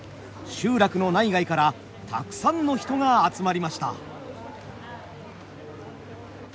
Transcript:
集落の内外からたくさんの人が集まりました。